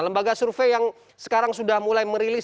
lembaga survei yang sekarang sudah mulai merilis